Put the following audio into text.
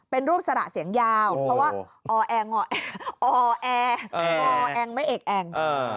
เป็นรูปสระเสียงยาวเพราะว่าอ๋อแอ่งอ๋อแอ่งอ๋อแอ่งไม่เอกแอ่ง